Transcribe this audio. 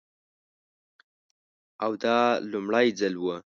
او دا لومړی ځل و.